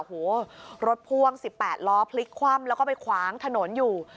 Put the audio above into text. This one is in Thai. โอ้โหรถพ่วง๑๘ล้อพลิกคว่ำแล้วก็ไปขวางถนนอยู่